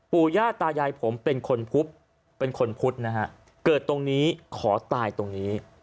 ปู่ย่าตายายผมเป็นคนพุทธเกิดตรงนี้ขอตายตรงนี้